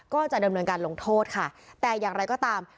ก็จะดำเนินการลงโทษค่ะแต่อย่างไรก็ตาม